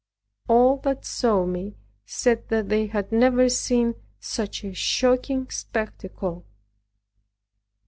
All that saw me said that they had never seen such a shocking spectacle.